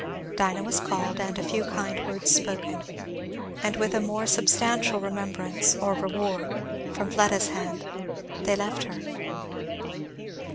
Dinah was called, and a few kind words spoken, and with a more substantial remembrance, or reward, from Fleda's hand, they left her.